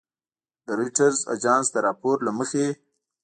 د رویټرز اژانس د راپور له مخې